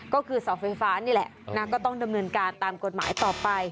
ก็คือเสาไฟฟ้านี่แหละนะก็ต้องดำเนินการตามกฎหมายต่อไป